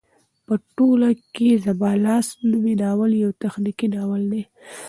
په ټوله کې زما لاس نومی ناول يو تخنيکي ناول دى